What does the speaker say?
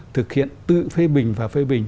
thực hiện tự phê bình và phê bình